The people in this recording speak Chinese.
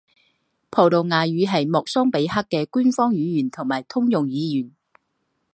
葡萄牙语是莫桑比克的官方语言和通用语言。